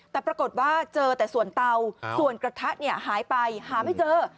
แต่ปรากฏว่าเจอแต่ส่วนเตาส่วนกระทะหายไปหาไม่เจอ